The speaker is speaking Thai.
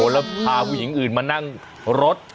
แล้วพาผู้หญิงอื่นมานั่งรถ